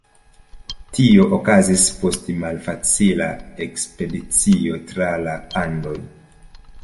Tio okazis post malfacila ekspedicio tra la Andoj.